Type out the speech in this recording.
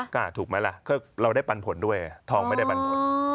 ก็ถูกไหมล่ะก็เราได้ปันผลด้วยทองไม่ได้ปันผล